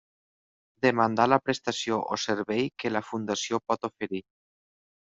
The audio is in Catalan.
Demandar la prestació o servei que la Fundació pot oferir.